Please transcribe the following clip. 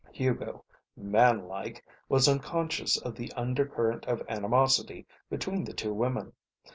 Hugo, man like, was unconscious of the undercurrent of animosity between the two women.